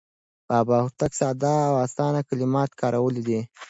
بابا هوتک ساده او اسان کلمات کارولي دي.